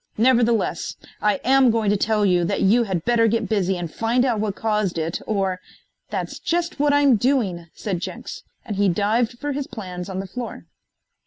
Nevertheless, I am going to tell you that you had better get busy and find out what caused it, or " "That's just what I'm doing," said Jenks, and he dived for his plans on the floor.